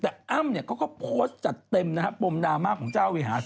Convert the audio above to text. แต่อ้ำเขาก็โพสต์จัดเต็มนะครับปมดราม่าของเจ้าวิหาส์